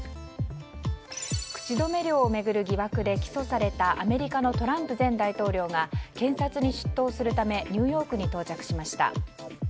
口止め料を巡る疑惑で起訴されたアメリカのトランプ前大統領が警察に出頭するためニューヨークに到着しました。